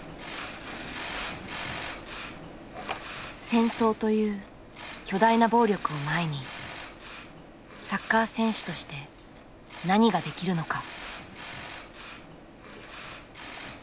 戦争という巨大な暴力を前にサッカー選手として何ができるのか。